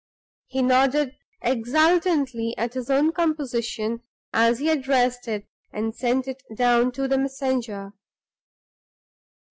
He nodded exultantly at his own composition, as he addressed it and sent it down to the messenger.